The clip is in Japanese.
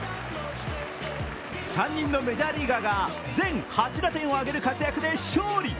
３人のメジャーリーガーが全８打点を上げる活躍で勝利。